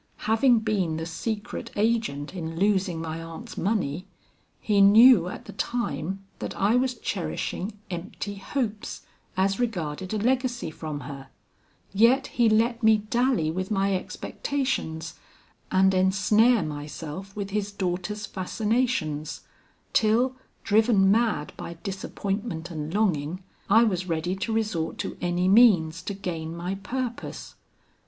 Having been the secret agent in losing my aunt's money, he knew at the time that I was cherishing empty hopes as regarded a legacy from her, yet he let me dally with my expectations, and ensnare myself with his daughter's fascinations, till driven mad by disappointment and longing, I was ready to resort to any means to gain my purpose.